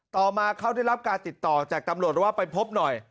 ต่อมาเขาได้รับการติดต่อจากตำรวจว่าไปพบหน่อย